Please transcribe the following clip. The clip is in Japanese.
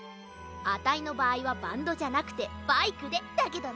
あたいのばあいはバンドじゃなくてバイクでだけどな。